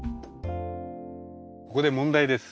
ここで問題です。